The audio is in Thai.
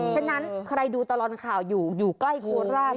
ฉะนั้นใครดูตลอดข่าวอยู่อยู่ใกล้โคราช